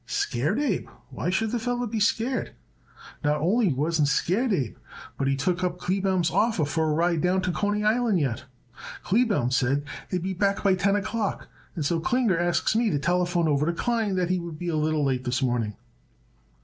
"Scared, Abe? Why should the feller be scared? Not only he wasn't scared yet, Abe, but he took up Kleebaum's offer for a ride down to Coney Island yet. Kleebaum said they'd be back by ten o'clock and so Klinger asks me to telephone over to Klein that he would be a little late this morning."